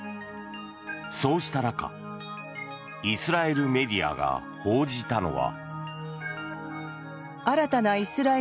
そうした中イスラエルメディアが報じたのは。